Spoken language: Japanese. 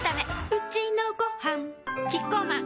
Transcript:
うちのごはんキッコーマン